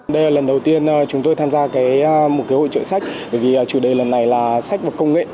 đây là lần đầu tiên chúng tôi tham gia một hội trợ sách bởi vì chủ đề lần này là sách và công nghệ